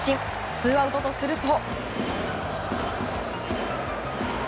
ツーアウトとすると。